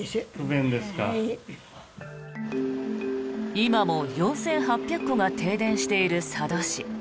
今も４８００戸が停電している佐渡市。